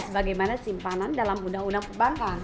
sebagaimana simpanan dalam undang undang perbankan